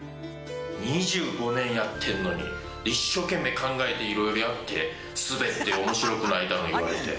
２５年やってんのに一生懸命考えて色々やってスベって面白くないだの言われて。